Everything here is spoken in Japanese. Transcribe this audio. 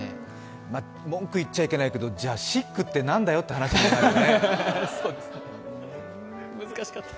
文句言っちゃいけないけど、シックって何だよ？って話になりますよね。